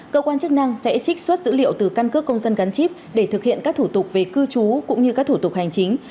cơ quan chức năng sẽ trích xuất dữ liệu từ căn cước công dân gắn chip để thực hiện các thủ tục về cư trú cũng như các thủ tục hành chính